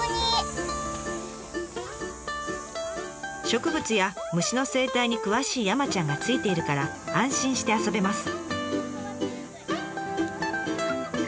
植物や虫の生態に詳しい山ちゃんがついているから安心して遊べます。